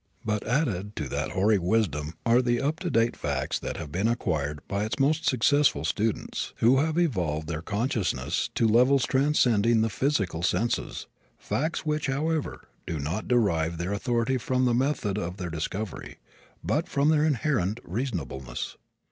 But added to that hoary wisdom are the up to date facts that have been acquired by its most successful students, who have evolved their consciousness to levels transcending the physical senses facts which, however, do not derive their authority from the method of their discovery but from their inherent reasonableness.